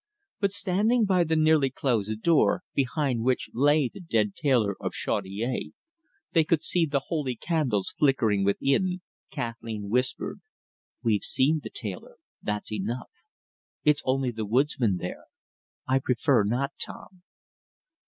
But standing by the nearly closed door, behind which lay the dead tailor of Chaudiere they could see the holy candles flickering within Kathleen whispered "We've seen the tailor that's enough. It's only the woodsman there. I prefer not, Tom."